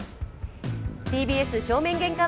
ＴＢＳ正面玄関